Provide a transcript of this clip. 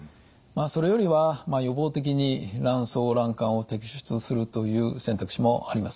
それよりは予防的に卵巣卵管を摘出するという選択肢もあります。